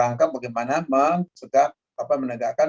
banyak celik pengawasi dalam asingan sekolah dan kita mulai penanganan